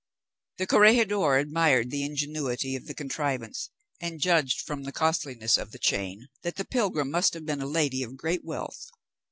The corregidor admired the ingenuity of the contrivance, and judged from the costliness of the chain, that the pilgrim must have been a lady of great wealth.